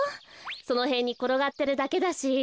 そのへんにころがってるだけだし。